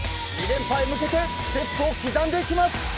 ２連覇へ向けてステップを刻んでいきます。